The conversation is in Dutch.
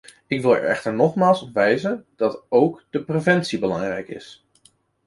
Ik wil er echter nogmaals op wijzen dat ook de preventie belangrijk is.